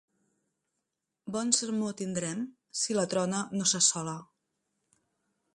Bon sermó tindrem si la trona no s'assola.